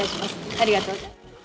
ありがとうございます。